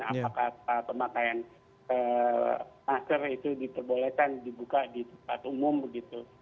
apakah pemakaian masker itu diperbolehkan dibuka di tempat umum begitu